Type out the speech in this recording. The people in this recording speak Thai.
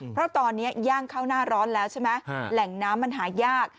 เพราะตอนนี้ย่างเข้าหน้าร้อนแล้วใช่ไหมแหล่งน้ำมันหายาก